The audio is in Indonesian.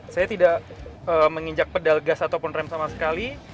saya tidak menginjak pedal gas ataupun rem sama sekali